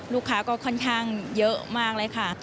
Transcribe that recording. ลูกค้าก็ค่อนข้างเยอะมากเลยค่ะ